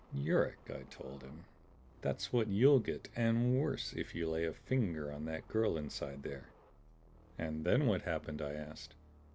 'Yuruk,' I told him, 'that's what you'll get, and worse, if you lay a finger on that girl inside there.'" "And then what happened?" I asked.